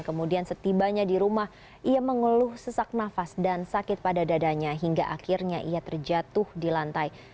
kemudian setibanya di rumah ia mengeluh sesak nafas dan sakit pada dadanya hingga akhirnya ia terjatuh di lantai